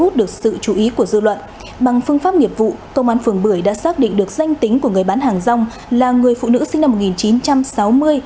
công an phường bưởi đã xác định được danh tính của người bán hàng rong là người phụ nữ sinh năm một nghìn chín trăm sáu mươi